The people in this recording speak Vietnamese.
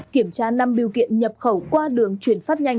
kiểm tra năm biêu kiện nhập khẩu qua đường chuyển phát nhanh